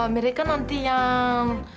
mereka nanti yang